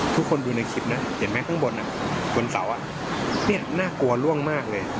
ทุกคนดูในคลิปนะเห็นไหมข้างบนบนเสาอ่ะนี่น่ากลัวล่วงมากเลย